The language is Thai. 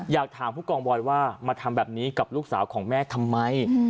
อยากถามผู้กองบอยว่ามาทำแบบนี้กับลูกสาวของแม่ทำไม